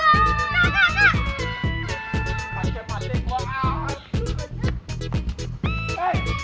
jangan lari lu